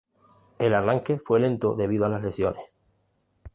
El arranque fue lento debido a las lesiones.